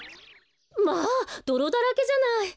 まあどろだらけじゃない。